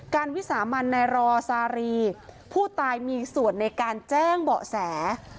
วิสามันในรอซารีผู้ตายมีส่วนในการแจ้งเบาะแส